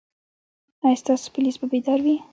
ایا ستاسو پولیس به بیدار وي؟